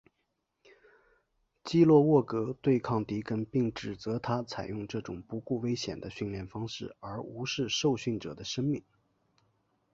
基洛沃格对抗迪根并指责他采用这种不顾危险的训练方式而无视受训者的生命。